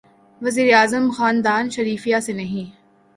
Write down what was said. وزیر اعظم خاندان شریفیہ سے نہیں۔